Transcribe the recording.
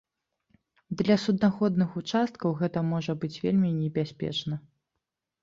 Для суднаходных участкаў гэта можа быць вельмі небяспечна.